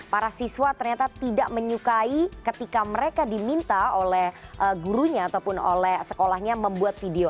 para siswa ternyata tidak menyukai ketika mereka diminta oleh gurunya ataupun oleh sekolahnya membuat video